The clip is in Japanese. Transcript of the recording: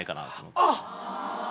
あっ！